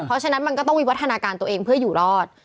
เพราะฉะนั้นมันก็ต้องวิวัฒนาการตัวเองเพื่ออยู่รอด